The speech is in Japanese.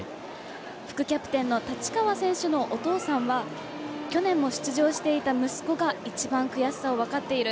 副キャプテンの太刀川選手のお父さんは去年も出場していた息子が一番悔しさを分かっている。